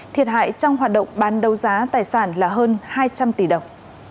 thiệt hại trong hoạt động bán đấu giá tài sản là hơn hai trăm linh tỷ đồng